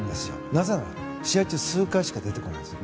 なぜなら試合中数回しか出てこないんです。